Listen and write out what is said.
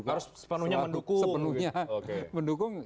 harus sepenuhnya mendukung